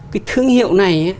cái thương hiệu này